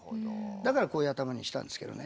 だからこういう頭にしたんですけどね。